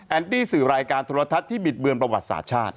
ตี้สื่อรายการโทรทัศน์ที่บิดเบือนประวัติศาสตร์ชาติ